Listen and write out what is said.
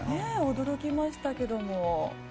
驚きましたけど。